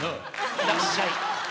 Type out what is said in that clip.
いらっしゃい。